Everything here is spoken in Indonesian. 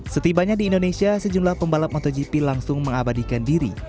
setibanya di indonesia sejumlah pembalap motogp langsung mengabadikan diri